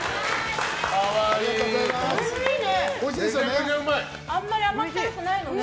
おいしいね！